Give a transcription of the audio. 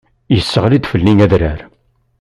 Isseɣli-d fell-i adrar.